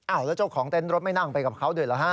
แล้วเจ้าของเต้นรถไม่นั่งไปกับเขาด้วยเหรอฮะ